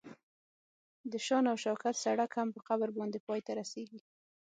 د شان او شوکت سړک هم په قبر باندې پای ته رسیږي.